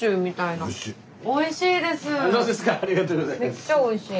めっちゃおいしい。